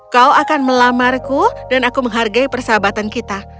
kau akan melamarku dan aku menghargai persahabatan kita